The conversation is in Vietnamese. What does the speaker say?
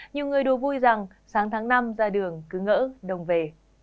nhiều người đùa vui rằng sáng tháng năm ra đường cứ ngỡ đông về